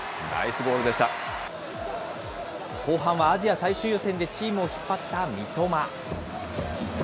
後半はアジア最終予選でチームを引っ張った三笘。